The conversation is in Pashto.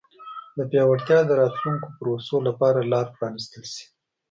د پیاوړتیا د راتلونکو پروسو لپاره لار پرانیستل شي.